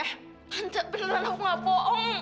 beneran aku gak bohong